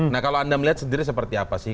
nah kalau anda melihat sendiri seperti apa sih